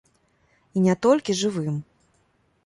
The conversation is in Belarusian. І не толькі жывым.